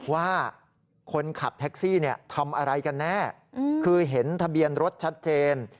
ว่าคนขับแท็กซี่ทำอะไรกันแน่คือเห็นทะเบียนรถชัดเจน